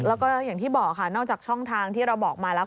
แล้วก็อย่างที่บอกค่ะนอกจากช่องทางที่เราบอกมาแล้ว